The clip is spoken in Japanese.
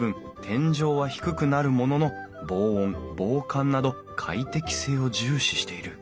天井は低くなるものの防音防寒など快適性を重視している